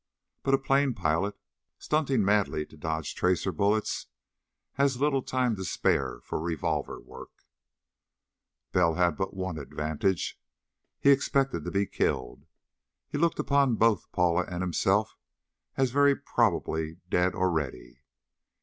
But a plane pilot, stunting madly to dodge tracer bullets, has little time to spare for revolver work. Bell had but one advantage. He expected to be killed. He looked upon both Paula and himself as very probably dead already.